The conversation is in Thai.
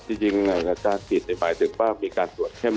จริงการปิดในปลายถึงว่ามีการตรวจเข้ม